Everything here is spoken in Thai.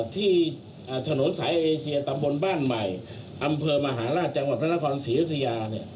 ที่ถนนสายเอเซียตำบลบ้านใหม่อำเภอมหาลาฯจังหวัดพนธครภัณฑ์ศรีวิทยา